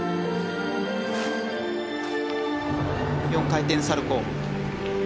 ４回転サルコウ。